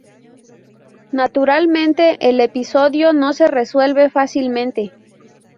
Naturalmente, el episodio no se resuelve fácilmente.